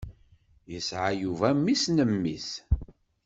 Yesɛa Yuba mmi-s n mmi-s.